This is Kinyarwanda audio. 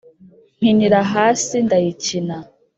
mpinira hasi ndayikina